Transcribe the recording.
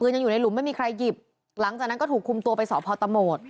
ยังอยู่ในหลุมไม่มีใครหยิบหลังจากนั้นก็ถูกคุมตัวไปสอบพอตะโหมด